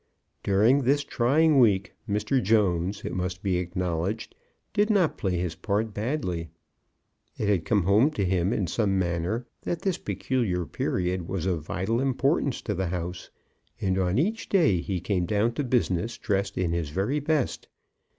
During this trying week Mr. Jones, it must be acknowledged, did not play his part badly. It had come home to him in some manner that this peculiar period was of vital importance to the house, and on each day he came down to business dressed in his very best.